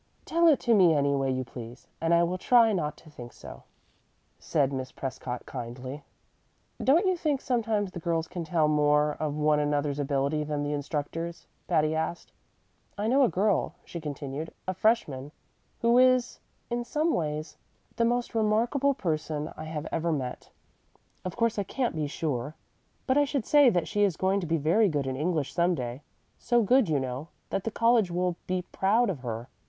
"Tell it to me any way you please, and I will try not to think so," said Miss Prescott, kindly. "Don't you think sometimes the girls can tell more of one another's ability than the instructors?" Patty asked. "I know a girl," she continued, "a freshman, who is, in some ways, the most remarkable person I have ever met. Of course I can't be sure, but I should say that she is going to be very good in English some day so good, you know, that the college will be proud of her.